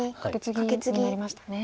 カケツギになりましたね。